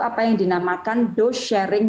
apa yang dinamakan dose sharing